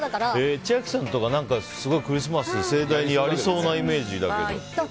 千秋さんとか、クリスマス盛大にやりそうなイメージだけど。